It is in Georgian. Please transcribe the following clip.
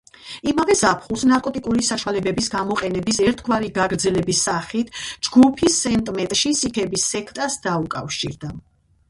იმავე ზაფხულს, ნარკოტიკული საშუალებების გამოყენების ერთგვარი გაგრძელების სახით, ჯგუფი სენტ მეტში სიქების სექტას დაუკავშირდა.